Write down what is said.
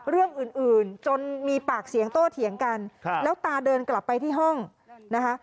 เรื่องอื่นอื่นจนมีปากเสียงโต้เถียงกันแล้วตาเดินกลับไปที่ห้องนะคะ